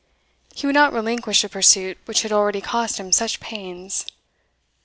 He would not relinquish a pursuit which had already cost him such pains.